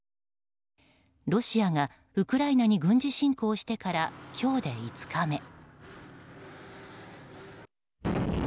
ロシアがウクライナに軍事侵攻してから今日で５日目。